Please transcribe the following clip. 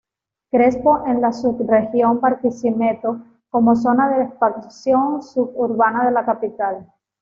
Crespo en la subregión Barquisimeto como zona de expansión suburbana de la capital.